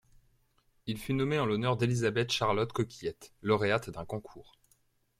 Il fut nommé en l'honneur d'Elizabeth Charlotte Coquillette, lauréate d'un concours.